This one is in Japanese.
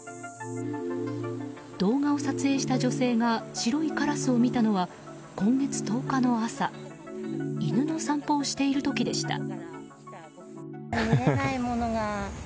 動画を撮影した女性が白いカラスを見たのは今月１０日の朝犬の散歩をしている時でした。